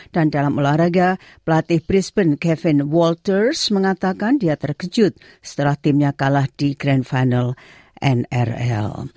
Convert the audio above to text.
dan dalam olahraga pelatih brisbane kevin walters mengatakan dia terkejut setelah timnya kalah di grand final nrl